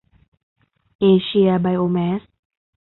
เอเชีย ไบโอแมส